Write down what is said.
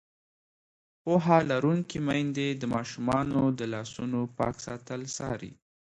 پوهه لرونکې میندې د ماشومانو د لاسونو پاک ساتل څاري.